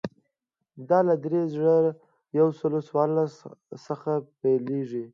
دا له درې زره یو سل څوارلس څخه پیلېږي.